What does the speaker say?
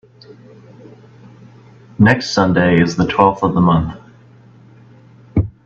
Next Sunday is the twelfth of the month.